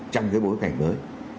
trong cái bối cảnh mới